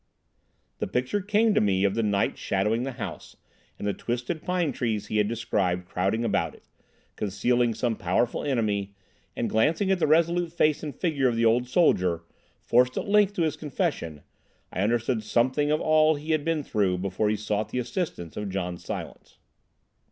The picture came before me of the night shadowing the house, and the twisted pine trees he had described crowding about it, concealing some powerful enemy; and, glancing at the resolute face and figure of the old soldier, forced at length to his confession, I understood something of all he had been through before he sought the assistance of John Silence.